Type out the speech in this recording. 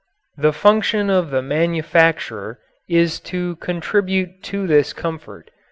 The function of the manufacturer is to contribute to this comfort.